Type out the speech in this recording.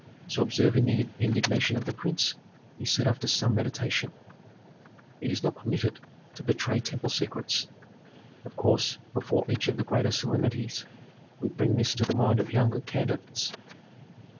So, observing the indignation of the prince, he said after some meditation, "It is not permitted to betray temple secrets. Of course, before each of the greater solemnities, we bring this to the mind of younger candidates."